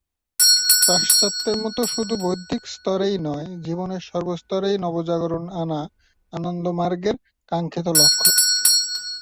পাশ্চাত্যের মতো শুধু বৌদ্ধিক স্তরেই নয়, জীবনের সর্বস্তরেই নবজাগরণ আনা আনন্দমার্গের কাঙ্ক্ষিত লক্ষ্য।